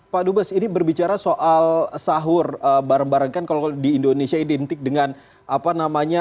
pak dubes ini berbicara soal sahur bareng bareng kan kalau di indonesia identik dengan apa namanya